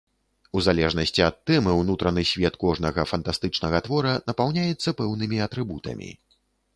У залежнасці ад тэмы ўнутраны свет кожнага фантастычнага твора напаўняецца пэўнымі атрыбутамі.